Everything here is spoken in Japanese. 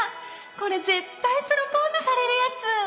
これ絶対プロポーズされるやつ！